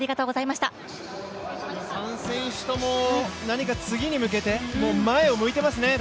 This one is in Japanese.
３選手とも、何か次に向けて前を向いていますね。